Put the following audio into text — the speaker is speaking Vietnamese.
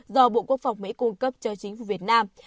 do bộ quốc phòng mỹ cung cấp cho chính phủ việt nam